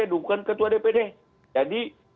bukan ketua dpd jadi